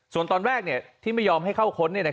ส่วนตอนแรกที่ไม่ยอมให้เข้าค้น